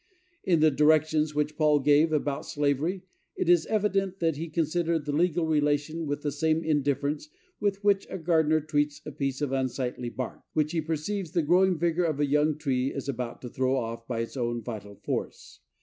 In the directions which Paul gave about slavery, it is evident that he considered the legal relation with the same indifference with which a gardener treats a piece of unsightly bark, which he perceives the growing vigor of a young tree is about to throw off by its own vital force.